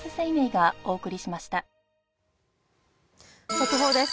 速報です。